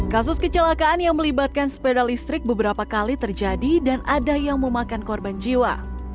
kasus kecelakaan yang melibatkan sepeda listrik beberapa kali terjadi dan ada yang memakan korban jiwa